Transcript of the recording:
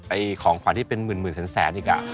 ของขวัญที่เป็นหมื่นแสนอีก